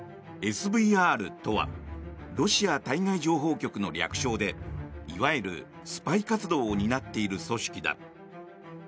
ＳＶＲとはロシア対外情報局の略称でいわゆるスパイ活動を担っている組織だ。